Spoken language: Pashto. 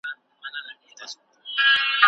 انسانان باید د خدای حقونه په پام کي ونیسي.